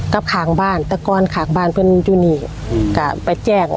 กับขางบ้านตะกอนขากบ้านเพื่อนอยู่นี่ก็ไปแจ้ง